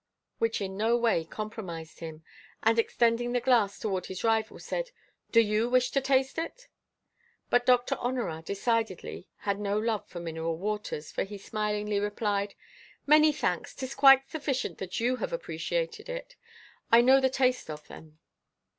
which in no way compromised him, and extending the glass toward his rival said: "Do you wish to taste it?" But Doctor Honorat, decidedly, had no love for mineral waters, for he smilingly replied: "Many thanks! 'Tis quite sufficient that you have appreciated it. I know the taste of them."